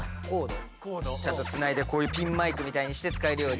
コードちゃんとつないでこういうピンマイクみたいにして使えるように。